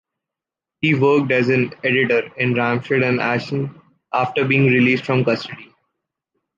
He worked as an editor in Remscheid and Aachen after being released from custody.